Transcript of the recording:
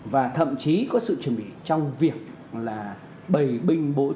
và thậm chí có sự chuẩn bị trong việc là bày binh bổ trận